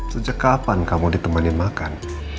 sejak kapan kamu ditemani makan